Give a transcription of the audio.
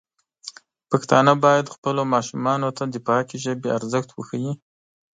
پښتانه بايد خپلو ماشومانو ته د پاکې ژبې ارزښت وښيي.